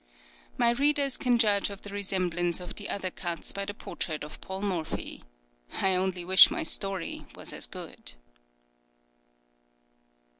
My readers can judge of the resemblance of the other cuts by the portrait of Paul Morphy. I only wish my story was as good.